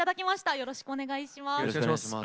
よろしくお願いします。